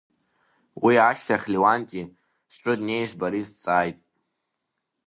Уи ашьҭахь Леуанти зҿы днеиз Борис дҵааит.